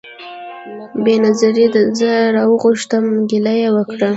بېنظیري زه راوغوښتم ګیله یې وکړه